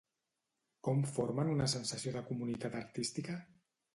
Com formem una sensació de comunitat artística?